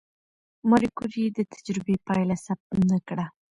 ماري کوري د تجربې پایله ثبت نه کړه؟